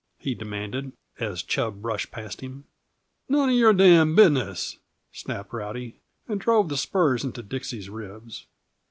he demanded, as Chub brushed past him. "None of your damn' business," snapped Rowdy, and drove the spurs into Dixie's ribs.